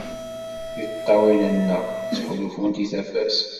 Tiṭṭawin-nneɣ ttḥulfunt i tafat.